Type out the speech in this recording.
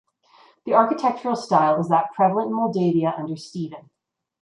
The architectural style is that prevalent in Moldavia under Stephen.